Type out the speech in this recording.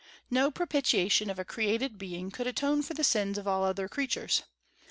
No propitiation of a created being could atone for the sins of all other creatures.